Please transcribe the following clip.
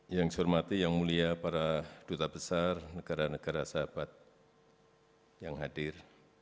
yang saya hormati yang mulia para duta besar negara negara sahabat yang hadir